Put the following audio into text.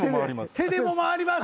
手でも回ります！